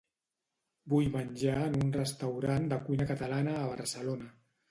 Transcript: Vull menjar en un restaurant de cuina catalana a Barcelona.